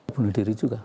bunuh diri juga